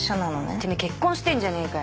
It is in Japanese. てめぇ結婚してんじゃねえかよ。